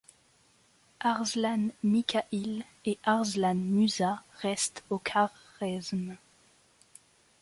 Arslan-Mikha'îl et Arslan-Mûsâ restent au Kharezm.